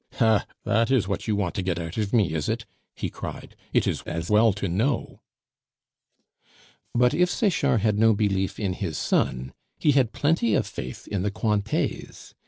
"Ha! that is what you want to get out of me, is it?" he cried. "It is as well to know!" But if Sechard had no belief in his son, he had plenty of faith in the Cointets.